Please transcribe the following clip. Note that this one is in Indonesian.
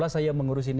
saya mengurus ini